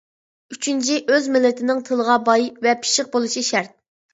ئۈچىنچى، ئۆز مىللىتىنىڭ تىلىغا باي ۋە پىششىق بولۇشى شەرت.